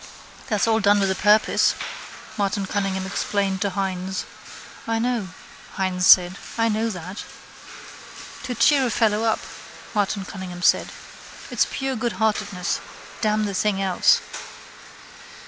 —That's all done with a purpose, Martin Cunningham explained to Hynes. —I know, Hynes said. I know that. —To cheer a fellow up, Martin Cunningham said. It's pure goodheartedness: damn the thing else.